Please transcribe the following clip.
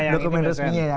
dokumen resminya ya